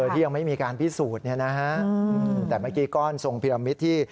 ที่ยังไม่มีการพิสูจน์แต่เมื่อกี๊ก้อนส่งพิวามิตรที่